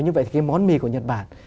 như vậy thì món mì của nhật bản